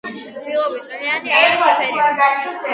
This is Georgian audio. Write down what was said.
რბილობი წვნიანი– არა შეფერილი.